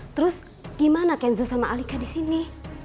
terus gimana kenzo sama alika di sini